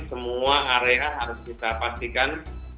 semua area harus kita pastikan